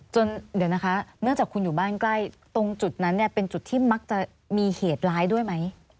จนเดี๋ยวนะคะเนื่องจากคุณอยู่บ้านใกล้ตรงจุดนั้นเนี่ยเป็นจุดที่มักจะมีเหตุร้ายด้วยไหม